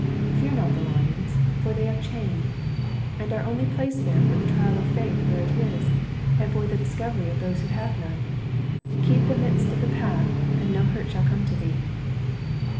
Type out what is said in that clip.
Fear not the lions, for they are chained, and are only placed there for the trial of faith where it is, and for the discovery of those who have none. Keep the midst of the path and no hurt shall come to thee.'